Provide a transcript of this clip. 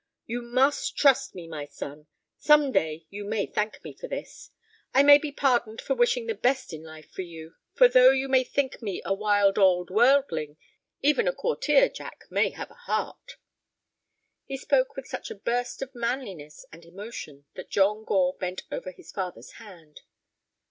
"You must trust me, my son. Some day you may thank me for this. I may be pardoned for wishing the best in life for you, for though you may think me a wild old worldling, even a courtier, Jack, may have a heart." He spoke with such a burst of manliness and emotion that John Gore bent over his father's hand.